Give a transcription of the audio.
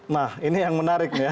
nah ini yang menarik ya